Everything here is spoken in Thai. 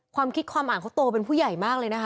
ความคิดความอ่านเขาโตเป็นผู้ใหญ่มากเลยนะคะ